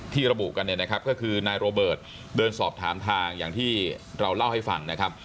ระบุกันเนี่ยนะครับก็คือนายโรเบิร์ตเดินสอบถามทางอย่างที่เราเล่าให้ฟังนะครับ